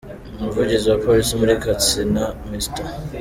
Umuvugizi wa Police muri Katsina, Mr.